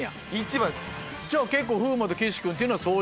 じゃあ結構。